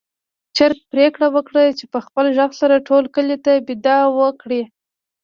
چرګ پرېکړه وکړه چې په خپل غږ سره ټول کلي ته بېده وکړي.